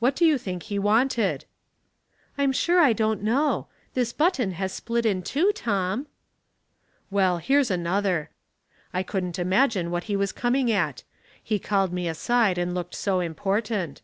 What do you think he wanted ?"'' I'm sure I don't know. This button has split in two, Tom." " Well, here's another. I couldn't imagine what he was cominsj at. He called me aside and looked so important.